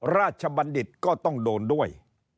บัณฑิตก็ต้องโดนด้วย